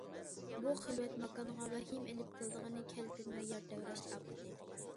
بۇ خىلۋەت ماكانغا ۋەھىمە ئېلىپ كېلىدىغىنى كەلكۈن ۋە يەر تەۋرەش ئاپىتى.